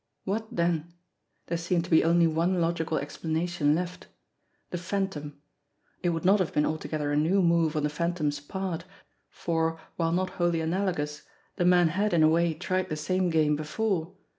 What, then ? There seemed to be only one logical explana tion left. The Phantom. It would not have been altogether a new move on the Phantom's part, for, while not wholly analogous, the man had in a way tried the same game before.